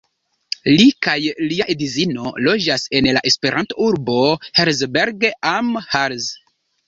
Li kaj lia edzino loĝas en la Esperanto-urbo Herzberg am Harz.